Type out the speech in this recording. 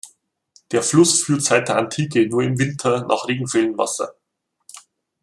Der Fluss führt seit der Antike nur im Winter nach Regenfällen Wasser.